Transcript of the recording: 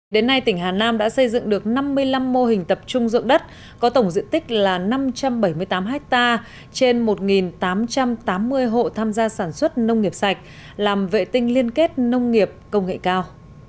đến nay tỉnh hà nam đã xây dựng được năm mươi năm mô hình tập trung dưỡng đất có tổng diện tích là năm trăm bảy mươi tám hectare trên một tám trăm tám mươi hộ tham gia sản xuất nông nghiệp sạch làm vệ tinh liên kết nông nghiệp công nghệ cao